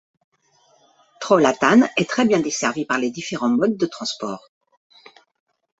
Trollhättan est très bien desservie par les différents modes de transport.